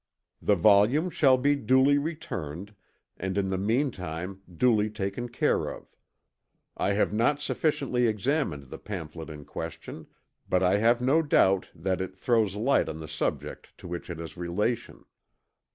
The volume shall be duly returned, and in the mean time duly taken care of. I have not sufficiently examined the pamphlet in question, but I have no doubt that it throws light on the subject to which it has relation."